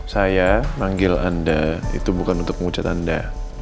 saya manggil anda itu bukan untuk mengucap anda